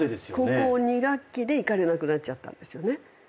高校２学期で行かれなくなっちゃったんですよね。